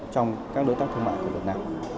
trong các đối tác thương mại của việt nam